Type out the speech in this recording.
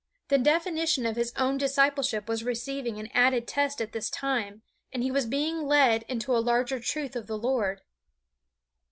The definition of his own discipleship was receiving an added test at this time, and he was being led into a larger truth of the Lord.